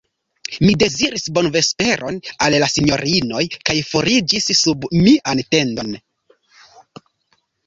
Mi deziris bonvesperon al la sinjorinoj, kaj foriĝis sub mian tendon.